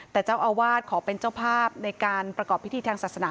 แต่เจ้าอาวาสขอเป็นเจ้าภาพในการประกอบพิธีทางศาสนา